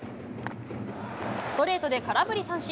ストレートで空振り三振。